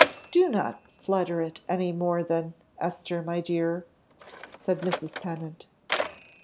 "Do not flutter it any more, then, Esther my dear," said Mrs. Pennant.